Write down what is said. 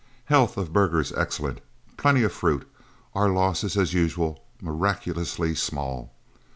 Health of burghers excellent. Plenty of fruit. Our losses, as usual, miraculously small.